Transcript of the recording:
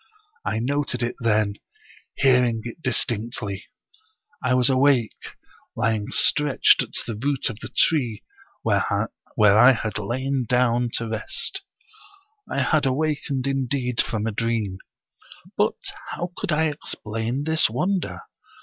I noted it then, hearing it distinctly. I was awake, lying stretched at the root of the tree where I had lain down to rest. I had awakened indeed from a dream, but how could I explain this wonder?